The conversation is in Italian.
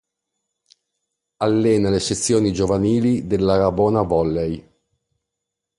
Allena le sezioni giovanili dell'Arabona Volley.